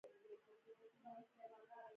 دی مفاهیمو تاریخچه معلوموي